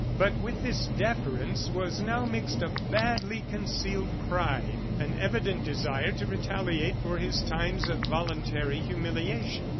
But with this deference was now mixed a badly concealed pride, an evident desire to retaliate for his times of voluntary humiliation.